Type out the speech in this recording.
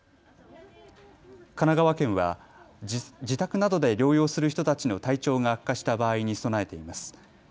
神奈川県は自宅などで療養する人たちの体調が悪化した場合に備えています。